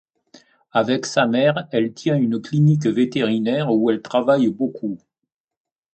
Avec sa mère, elle tient une clinique vétérinaire où elles travaillent beaucoup.